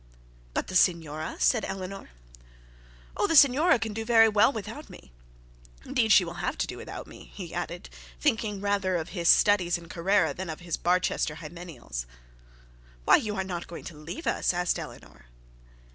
'But the signora?' said Eleanor. 'Oh, the signora can do very well without me. Indeed, she will have to do without me,' he added, thinking rather of his studies in Carrara, than of his Barchester hymeneals. 'Why, you are not going to leave us?' asked Eleanor.